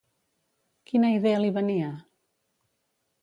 Quina idea li venia?